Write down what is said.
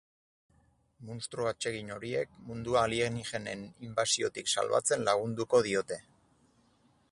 Munstro atsegin horiek mundua alienigenen inbasiotik salbatzen lagunduko diote.